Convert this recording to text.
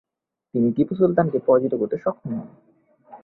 তিনি টিপু সুলতানকে পরাজিত করতে সক্ষম হন।